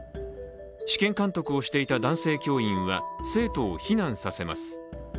試験監督をしていた男性教員は生徒を避難させます。